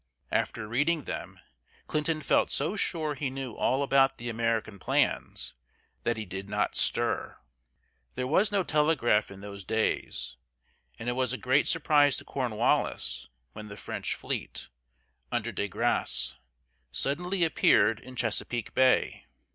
After reading them, Clinton felt so sure he knew all about the American plans that he did not stir. There was no telegraph in those days, and it was a great surprise to Cornwallis when the French fleet, under De Grasse (grahss) suddenly appeared in Chesapeake Bay.